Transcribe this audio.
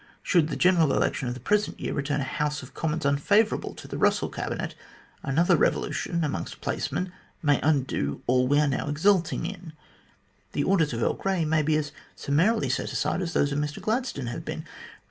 Should the general election of the present year return a House of Commons unfavourable to the Russell Cabinet, another revolution among placemen may undo all that we are now exulting in. The orders of Earl Grey may be as summarily set aside as those of Mr Gladstone have been.